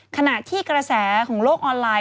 ขณะที่กระแสของโลกออนไลน